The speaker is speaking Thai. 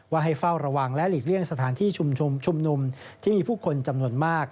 ให้เฝ้าระวังและหลีกเลี่ยงสถานที่ชุมนุมที่มีผู้คนจำนวนมาก